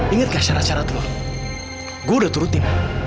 inget gak syarat syarat lo gue udah turutin